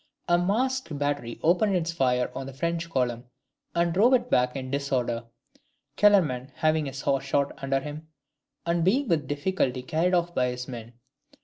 A masked battery opened its fire on the French column, and drove it back in disorder. Kellerman having his horse shot under him, and being with difficulty carried off by his men.